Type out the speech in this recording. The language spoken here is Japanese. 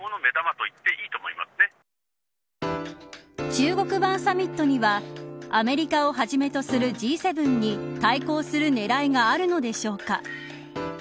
中国版サミットにはアメリカをはじめとするＧ７に対抗する狙いがあるのでしょうか。